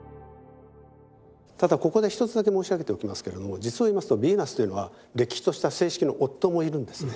ただここで１つだけ申し上げておきますけれども実を言いますとヴィーナスというのはれっきとした正式の夫もいるんですね。